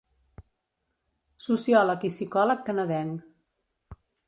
Sociòleg i psicòleg canadenc.